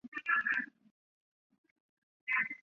时间横跨明治至昭和年间。